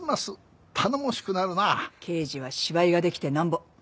「刑事は芝居ができてなんぼ」